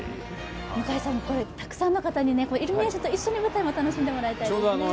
向井さんも、たくさんの方にイルミネーションと一緒に舞台も楽しんでもらいたいですね。